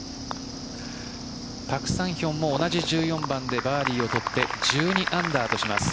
パク・サンヒョンも同じ１４番でバーディーをとって１２アンダーとします。